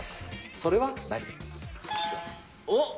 それは何？